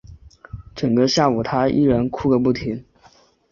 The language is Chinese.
整个下午她依然哭个不停